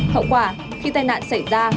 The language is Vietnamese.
hậu quả khi tai nạn xảy ra